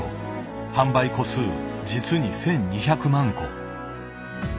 販売個数実に１，２００万個。